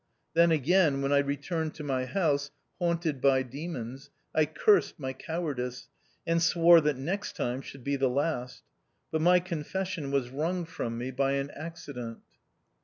Then, again, when I returned to my house, haunted by demons, I cursed my cowardice, and swore that next time should be the last. But my confession was wrung from me by an accident.